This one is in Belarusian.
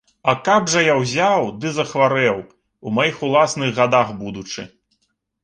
А каб жа я ўзяў ды захварэў, у маіх уласных гадах будучы?